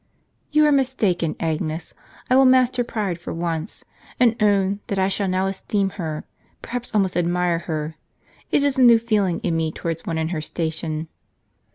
" You are mistaken, Agnes. I will master pride for once, and own, that I shall now esteem her, perhaps almost admire her. It is a new feeling in me towards one in her station."